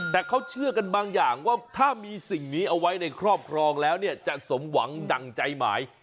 แต่เขาเชื่อกันบางอย่างว่าถ้ามีสิ่งนี้เอาไว้ในครอบครองแล้วเนี่ยจะสมหวังดั่งใจหมาย